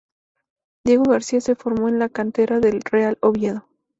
Diego García se formó en la cantera del Real Oviedo.